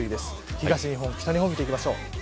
東日本、北日本見ていきましょう。